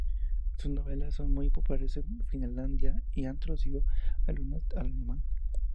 Sus novelas son muy populares en Finlandia y se han traducido algunas al alemán.